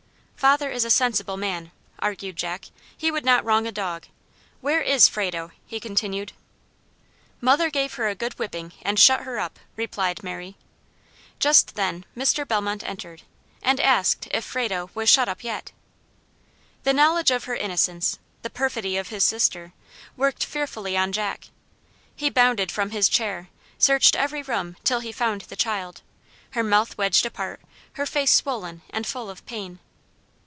"Father is a sensible man," argued Jack. "He would not wrong a dog. Where IS Frado?" he continued. "Mother gave her a good whipping and shut her up," replied Mary. Just then Mr. Bellmont entered, and asked if Frado was "shut up yet." The knowledge of her innocence, the perfidy of his sister, worked fearfully on Jack. He bounded from his chair, searched every room till he found the child; her mouth wedged apart, her face swollen, and full of pain.